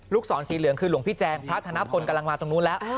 ศรสีเหลืองคือหลวงพี่แจงพระธนพลกำลังมาตรงนู้นแล้ว